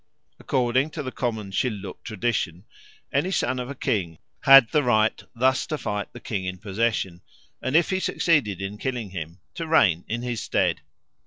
According to the common Shilluk tradition any son of a king had the right thus to fight the king in possession and, if he succeeded in killing him, to reign in his stead.